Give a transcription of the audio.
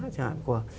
của hàn quốc